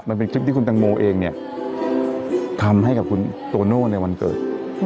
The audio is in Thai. มันเป็นคลิปที่คุณตังโมเองเนี่ยทำให้กับคุณโตโน่ในวันเกิด